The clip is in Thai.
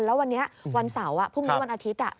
แล้ววันนี้วันเสาร์พรุ่งนี้วันอาทิตย์